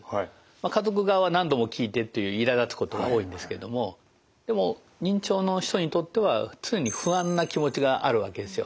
家族側は何度も聞いてっていういらだつことが多いんですけどもでも認知症の人にとっては常に不安な気持ちがあるわけですよ。